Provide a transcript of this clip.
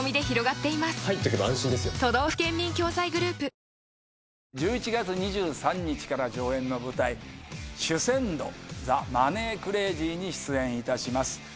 以上１１月２３日から上演の舞台『守銭奴ザ・マネー・クレイジー』に出演いたします。